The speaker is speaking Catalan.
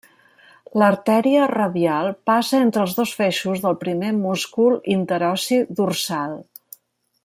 L'artèria radial passa entre els dos feixos del primer múscul interossi dorsal.